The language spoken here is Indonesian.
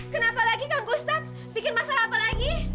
kenapa lagi kang gustaf bikin masalah apa lagi